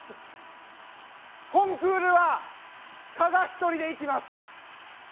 コンクールは加賀一人で行きます。